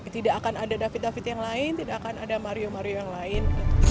tidak akan ada david david yang lain tidak akan ada mario mario yang lain